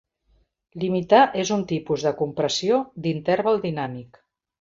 Limitar és un tipus de compressió d'interval dinàmic.